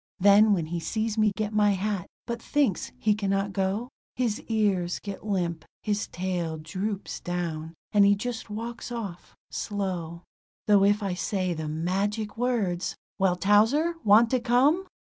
Then when he sees me get my hat, but thinks he cannot go, His ears get limp, his tail drops down, and he just walks off slow; Though if I say the magic words: "Well, Towser, want to come?"